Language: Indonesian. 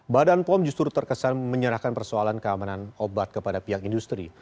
badan pom justru terkesan menyerahkan persoalan keamanan obat kepada pihak industri